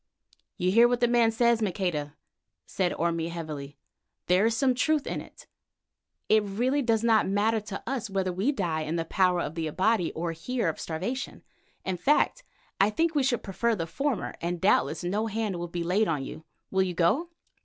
"You hear what the man says, Maqueda?" said Orme heavily. "There is some truth in it. It really does not matter to us whether we die in the power of the Abati or here of starvation; in fact, I think that we should prefer the former end, and doubtless no hand will be laid on you. Will you go?"